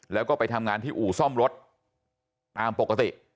แล้วก็ไปทำงานที่อู่ซ่อมรถตามปกติ